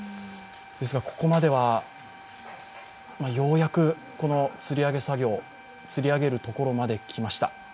ですが、ここまではようやくつり上げ作業、つり上げるところまで来ました。